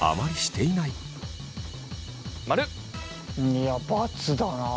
いや×だな。